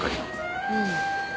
うん。